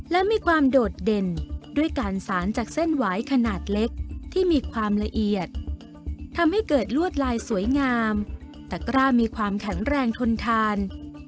และมีความโดดเด่นด้วยการสารจากเส้นหวายขนาดเล็กที่มีความละเอียดทำให้เกิดลวดลายสวยงามตะกร้ามีความแข็งแรงทนทาน